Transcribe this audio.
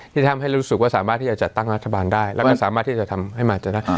ที่ทำให้รู้สึกว่าสามารถที่จะจัดตั้งรัฐบาลได้แล้วก็สามารถที่จะทำให้มาจะได้